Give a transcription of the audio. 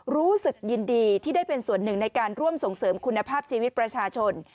รู้สึกยินดีที่ได้เป็นส่วนหนึ่งในการร่วมส่งเสริมคุณภาพชีวิตประชาชน